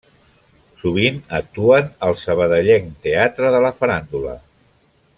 Sovint actuen al sabadellenc Teatre de la Faràndula.